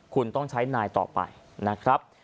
คุณต้องใช้นายต่อไปนะครับ